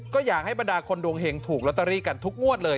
ก็อยากให้บรรดาคนดวงเห็งถูกลอตเตอรี่กันทุกงวดเลย